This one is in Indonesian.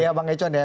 ya bang econ ya